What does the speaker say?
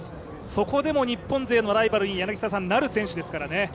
そこでも日本勢のライバルになる選手ですからね。